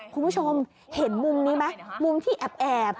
คุณผู้ชมเห็นมุมนี้ไหมมุมที่แอบ